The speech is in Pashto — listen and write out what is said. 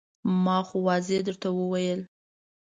ما خو واضح درته وویل.